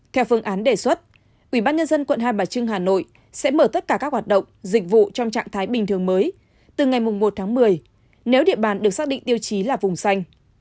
theo phương án đề xuất ubnd quận hai bà trưng hà nội sẽ mở tất cả các hoạt động dịch vụ trong trạng thái bình thường mới từ ngày một tháng một mươi nếu địa bàn được xác định tiêu chí là vùng xanh